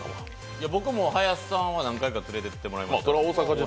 僕も林さんには何回か連れていっていただきました。